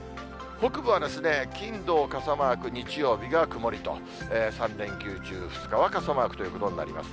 北部は金、土、傘マーク、日曜日が曇りと、３連休中２日は傘マークということになります。